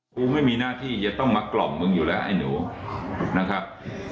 กูไม่มีหน้าที่จะต้องมากล่อมมึงอยู่แล้วไอ้หนูนะครับ